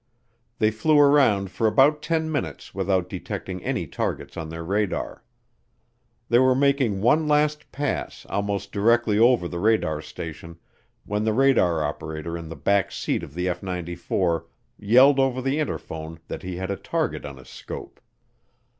They flew around for about ten minutes without detecting any targets on their radar. They were making one last pass almost directly over the radar station when the radar operator in the back seat of the F 94 yelled over the interphone that he had a target on his scope.